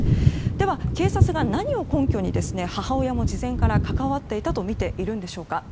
では、警察が何を根拠に母親も事前から関わっていたとみているんでしょうか。